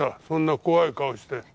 そんな怖い顔して。